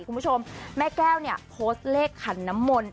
คุณผู้ชมแม่แก้วเนี่ยโพสต์เลขขันน้ำมนต์